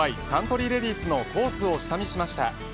サントリーレディスのコースを下見にしました。